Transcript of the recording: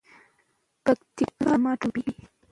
پکتیکا زما ټاټوبی.